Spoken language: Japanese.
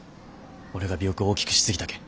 俺が尾翼を大きくしすぎたけん。